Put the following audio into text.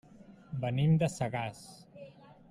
Venim de Sagàs.